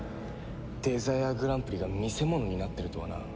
デザイアグランプリが見せ物になってるとはな。